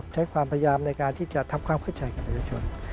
ใช้ความพยายามในการที่จะทำความเข้าใจกับประชาชน